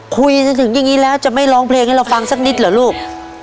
คุยจนถึงอย่างนี้แล้วจะไม่ร้องเพลงให้เราฟังสักนิดเหรอลูก